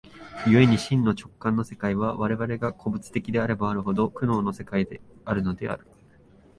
故に真の直観の世界は、我々が個物的であればあるほど、苦悩の世界であるのである。